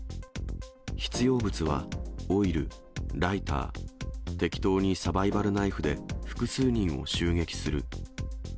必要物はオイル、ライター、適当にサバイバルナイフで複数人を襲撃する。